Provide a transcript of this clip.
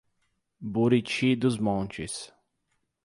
Buriti dos Montes